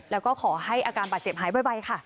แล้วก็ขอให้อาการบาดเจ็บหายบ่อยค่ะ